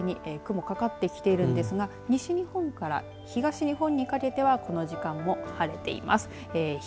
北日本には次第に雲がかかってきているんですが西日本から東日本にかけてはこの時間も晴れています。